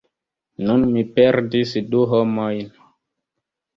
Nun mi perdis du homojn!